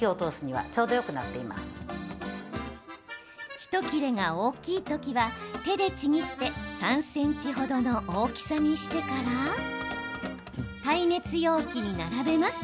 ひと切れが大きい時は手でちぎって３ｃｍ程の大きさにしてから耐熱容器に並べます。